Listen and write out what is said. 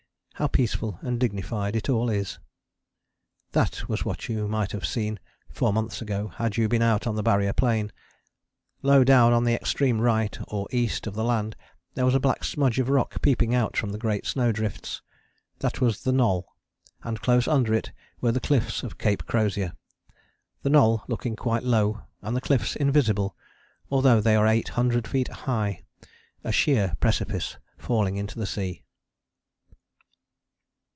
How peaceful and dignified it all is. That was what you might have seen four months ago had you been out on the Barrier plain. Low down on the extreme right or east of the land there was a black smudge of rock peeping out from great snow drifts: that was the Knoll, and close under it were the cliffs of Cape Crozier, the Knoll looking quite low and the cliffs invisible, although they are eight hundred feet high, a sheer precipice falling to the sea.